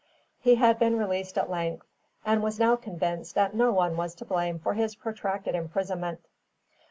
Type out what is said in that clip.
He had been released at length, and was now convinced that no one was to blame for his protracted imprisonment.